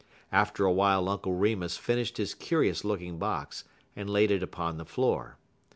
After a while Uncle Remus finished his curious looking box and laid it upon the floor.